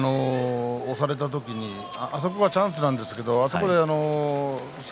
押された時に、あそこがチャンスなんですけど北勝